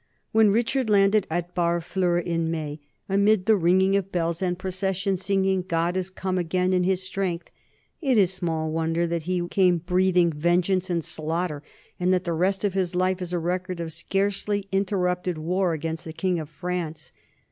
When Richard landed at Barfleur in May, amid the ringing of bells and processions singing "God has come again in his strength," it is small wonder that he came breathing vengeance and slaughter, and that the rest of his life is a record of scarcely interrupted war against the king of France.